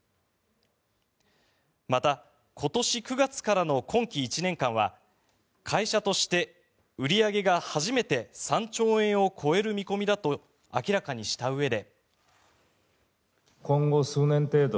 また、今年９月からの今期１年間は会社として売り上げが初めて３兆円を超える見込みだと明らかにしたうえで。